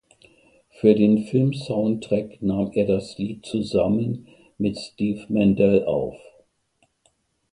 Für den Filmsoundtrack nahm er das Lied zusammen mit Steve Mandell auf.